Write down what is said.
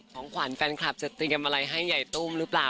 ของขวัญแฟนคลับจะเตรียมอะไรให้ใหญ่ตุ้มหรือเปล่า